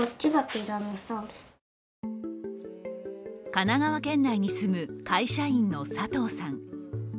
神奈川県内に住む会社員の佐藤さん。